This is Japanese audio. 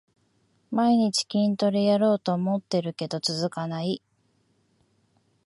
毎日筋トレやろうと思ってるけど続かない